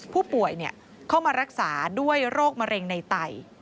ผู้ป่วยเข้ามารักษาด้วยโรคมะเร็งในไต